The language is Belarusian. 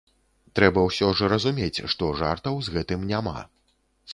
Трэба ўсё ж разумець, што жартаў з гэтым няма.